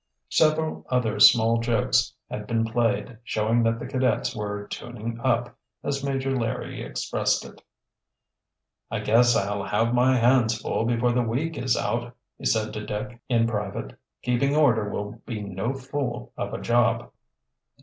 Several other small jokes had been played, showing that the cadets were "tuning up," as Major Larry expressed it. "I guess I'll have my hands full before the week is out," he said to Dick, in private. "Keeping order will be no fool of a job."